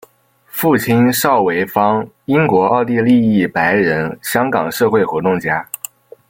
父亲邵维钫英国奥地利裔白人香港社会活动家。